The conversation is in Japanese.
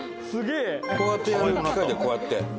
こうやってやる機械だよこうやって。